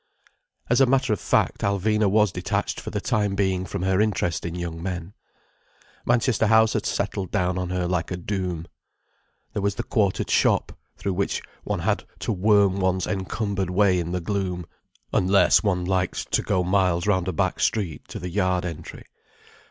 As a matter of fact, Alvina was detached for the time being from her interest in young men. Manchester House had settled down on her like a doom. There was the quartered shop, through which one had to worm one's encumbered way in the gloom—unless one liked to go miles round a back street, to the yard entry.